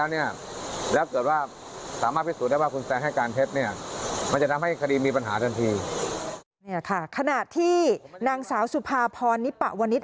นี่แหละค่ะขนาดที่นางสาวสุภาพรนิปวนิต